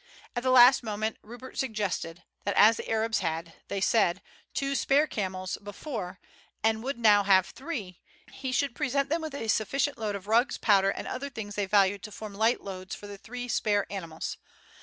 At the last moment Rupert suggested, that as the Arabs had, they said, two spare camels before, and would now have three, he should present them with a sufficient load of rugs, powder, and other things they valued to form light loads for the three spare animals.